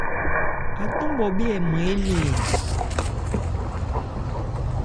Ácɔn bhɔbhé hɛ nman énɛn ɛ̀ ?